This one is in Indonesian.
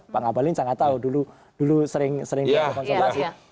pak ngabalin saya nggak tahu dulu sering dianggap sebagai